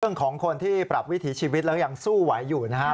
เรื่องของคนที่ปรับวิถีชีวิตแล้วยังสู้ไหวอยู่นะฮะ